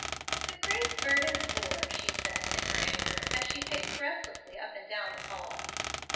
"The great, verdant boor!" she said in her anger, as she paced restlessly up and down the hall.